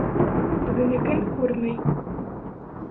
Үҙенекен күрмәй.